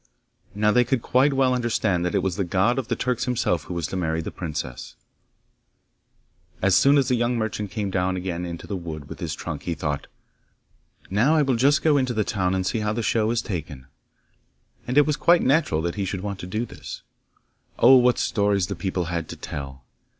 Now they could quite well understand that it was the god of the Turks himself who was to marry the princess. As soon as the young merchant came down again into the wood with his trunk he thought, 'Now I will just go into the town to see how the show has taken.' And it was quite natural that he should want to do this. Oh! what stories the people had to tell!